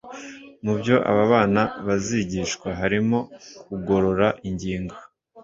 Mu byo aba bana bazigishwa harimo kugorora ingingo